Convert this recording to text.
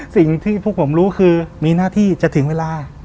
สิ่งที่พวกผมรู้คือมีหน้าที่จะถึงเวลา